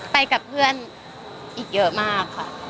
ไปกับเพื่อนอีกเยอะมากค่ะ